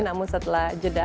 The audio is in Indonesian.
namun setelah jeda